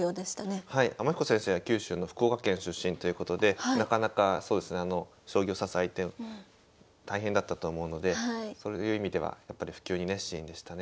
天彦先生は九州の福岡県出身ということでなかなかそうですねあの将棋を指す相手大変だったと思うのでそういう意味ではやっぱり普及に熱心でしたね。